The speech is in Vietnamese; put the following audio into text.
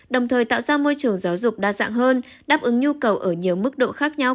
đồng thời tạo ra môi trường giáo dục đa dạng hơn đáp ứng nhu cầu ở nhiều mức độ khác nhau